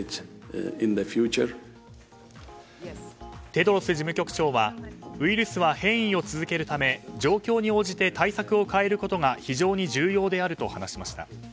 テドロス事務局長はウイルスは変異を続けるため状況に応じて対策を変えることが非常に重要であると話しました。